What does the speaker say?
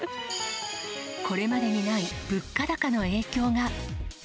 これまでにない物価高の影響が。